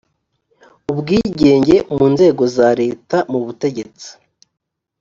ubwigenge mu nzego za leta mu butegetsi